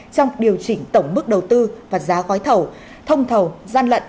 trong điều chỉnh tổng mức đầu tư và giá gói thầu thông thầu gian lận